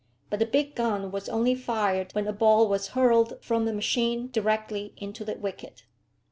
But the big gun was only fired when a ball was hurled from the machine directly into the wicket.